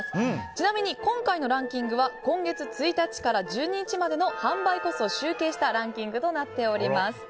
ちなみに今回のランキングは今月１日から１２日までの販売個数を集計したランキングとなっております。